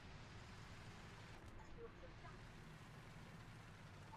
机匣顶部已经整合了两个长方形的凹槽以便安装这个瞄准镜座。